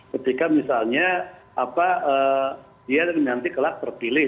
ketika misalnya dia nanti kelak terpilih